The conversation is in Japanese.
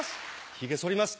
ひげ剃ります